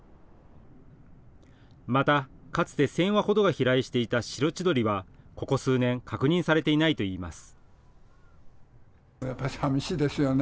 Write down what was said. また、かつて１０００羽ほどが飛来していたシロチドリはここ数年、確認されていないといいます。